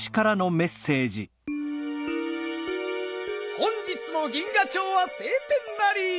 本日も銀河町はせい天なり！